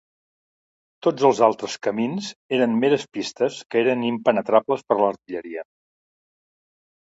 Tots els altres camins eren meres pistes que eren impenetrables per a l'artilleria.